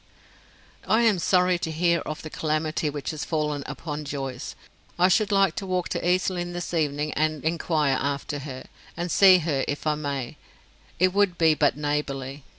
"I am sorry to hear of the calamity which has fallen upon Joyce! I should like to walk to East Lynne this evening and inquire after her, and see her, if I may; it would be but neighborly.